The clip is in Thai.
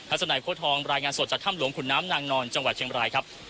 สนัยโค้ทองรายงานสดจากถ้ำหลวงขุนน้ำนางนอนจังหวัดเชียงบรายครับ